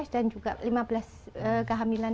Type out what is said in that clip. dan juga lima belas kehamilan